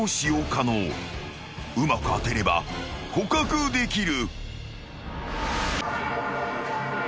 ［うまく当てれば捕獲できる］